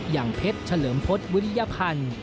อย่างเพชรเฉลิมพฤษวิริยพันธ์